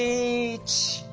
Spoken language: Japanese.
１。